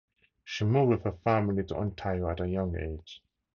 She moved with her family to Ontario at a young age.